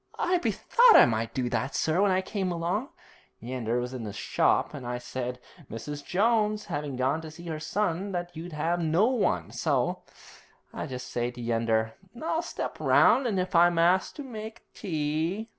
'I bethought I might do that, sir, when I came along. Yeander was in the shop, and I said, Mrs. Jones having gone to see her son, that you'd 'ave no one, so I just says to Yeander, "I'll step round, an' if I'm asked I'll make tea."'